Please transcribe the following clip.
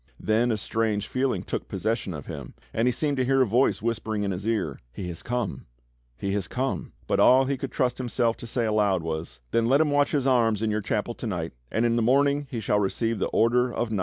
Then a strange feeling took possession of him, and he seemed to hear a voice whispering in his ear, "He has come! He has come!" But all he could trust himself to say aloud was: "Then let him watch his arms in your chapel to night, and in the morning he shall receive the order of knighthood."